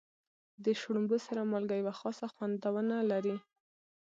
د شړومبو سره مالګه یوه خاصه خوندونه لري.